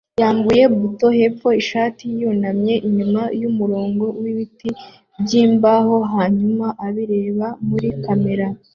yambuye buto-hepfo ishati yunamye inyuma yumurongo wibiti byimbaho hanyuma abireba muri kamera